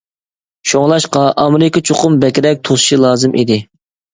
شۇڭلاشقا، ئامېرىكا چوقۇم بەكرەك توسۇشى لازىم ئىدى.